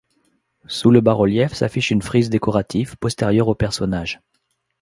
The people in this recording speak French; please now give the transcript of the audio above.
Sous le bas-relief s'affiche une frise décorative, postérieure aux personnages.